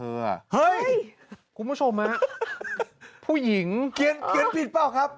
เฮ้ยคุณผู้ชมฮะผู้หญิงเขียนผิดเปล่าครับ